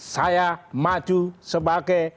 saya maju sebagai